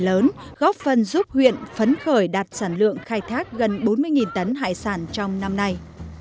những công ty lớn góp phần giúp huyện phấn khởi đạt sản lượng khai thác gần bốn mươi tấn hải sản trong năm nay